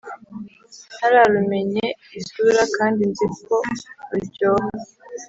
ntararumenye isura kandi nzi ko ruryoha